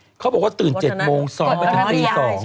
พี่เขาบอกว่าตื่น๗โมง๒ไปเป็นปี๒